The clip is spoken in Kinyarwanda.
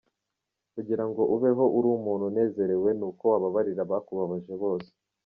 Kugira ngo ubeho uri umuntu unezerewe ni uko wababarira abakubabaje bose.